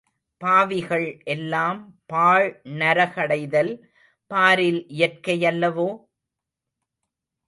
பாவிகள் எல்லாம் பாழ்நர கடைதல் பாரில் இயற்கையல்லவோ?